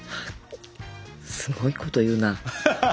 すごいこと言うな。